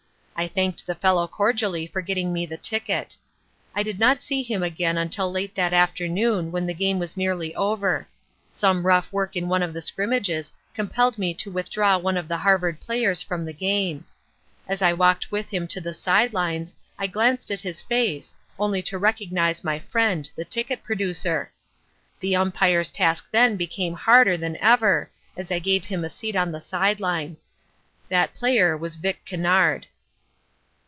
I thanked the fellow cordially for getting me the ticket. I did not see him again until late that afternoon when the game was nearly over. Some rough work in one of the scrimmages compelled me to withdraw one of the Harvard players from the game. As I walked with him to the side lines, I glanced at his face, only to recognize my friend the ticket producer. The umpire's task then became harder than ever, as I gave him a seat on the side line. That player was Vic Kennard.